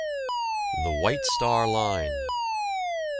THE WHITE STAR LINE.